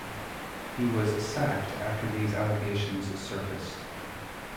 He was sacked after these allegations surfaced.